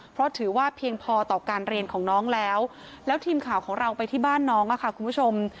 เพราะถือว่าเพียงพอต่อการเรียนของน้องแล้วแล้วทีมข่าวของเราไปที่บ้านน้องค่ะคุณผู้ชม